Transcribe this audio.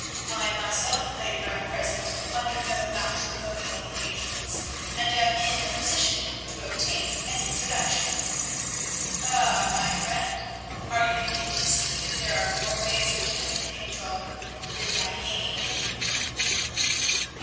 I myself labour at present under no matrimonial engagements, and am in a position to obtain an introduction—ah! my friend, are you beginning to see that there are more ways of killing a dog than by hanging him?"